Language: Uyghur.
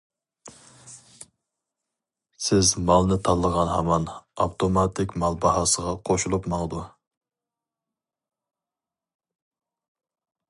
سىز مالنى تاللىغان ھامان ئاپتوماتىك مال باھاسىغا قوشۇلۇپ ماڭىدۇ.